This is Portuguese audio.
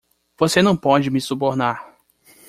Você não pode me subornar.